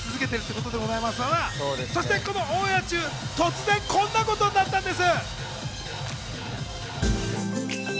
このオンエア中、突然こんなことになったんです。